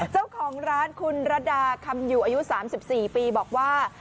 เจ้าของร้านคุณระดาคำอยู่อายุ๓๔ปีบอกว่า